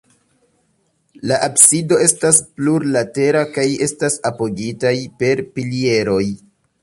La absido estas plurlatera kaj estas apogitaj per pilieroj.